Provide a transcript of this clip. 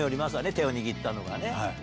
手を握ったのがね。